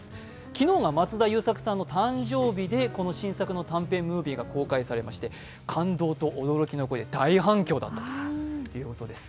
昨日が松田優作さんの誕生日で新作の短編ムービーが公開されまして感動と驚きの声で大反響だったということです。